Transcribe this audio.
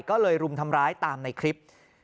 ก็เลยรุมทำร้ายตามในคลิป